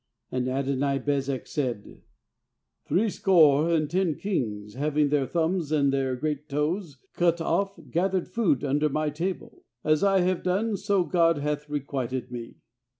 7And Adoni bezek said: "Threescore and ten kings, hav ing their thumbs and their great toes cut off, gathered fopd under my table; as I have done, so God hath requited me.'